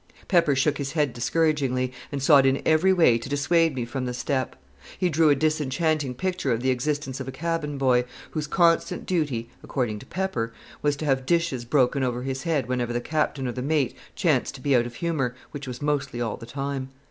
Pepper shook his head discouragingly, and sought in every way to dissuade me from the step. He drew a disenchanting picture of the existence of a cabin boy, whose constant duty (according to Pepper) was to have dishes broken over his head whenever the captain or the mate chanced to be out of humor, which was mostly all the time.